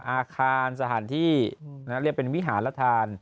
อาคารสถานที่เรียกเป็นวิหารทาน